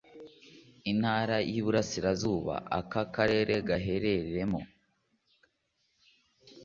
Intara y’ uburasirazuba aka karere gahereremo